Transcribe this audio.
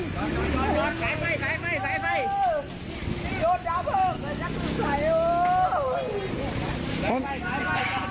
ถึงพื้นโนมัน